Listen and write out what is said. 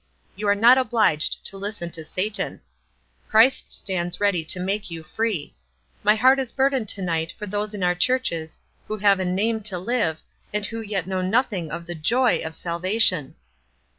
You are not obliged to listen to Satan. Christ stands ready to make you free. My heart is burdened to night for those in our churches who have a 340 WISE AND OTHERWISE. name to live, and who yet know nothing of the joy of salvation.